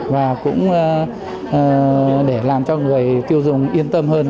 và cũng để làm cho người tiêu dùng yên tâm hơn